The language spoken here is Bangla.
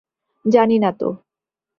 জানি না তো।